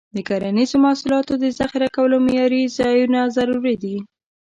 د کرنیزو محصولاتو د ذخیره کولو معیاري ځایونه ضروري دي.